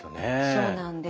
そうなんです。